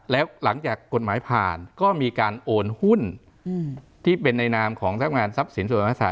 แล้วหลังจากกฎหมายผ่านก็มีการโอนหุ้นที่เป็นในนามของทรัพงานทรัพย์สินส่วนธรรมศาส